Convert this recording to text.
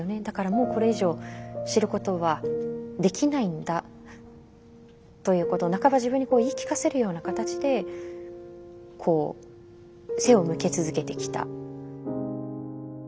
だからもうこれ以上知ることはできないんだということを半ば自分に言い聞かせるような形でこう背を向け続けてきた。